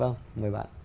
vâng mời bạn